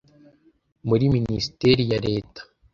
muri minisiteri ya reta